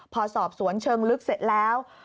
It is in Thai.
พอสอบสวนเชิงลึกเสร็จแล้ว